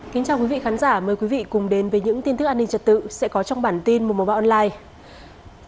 xin chào quý vị khán giả mời quý vị cùng đến với những tin thức an ninh trật tự sẽ có trong bản tin mùa màu online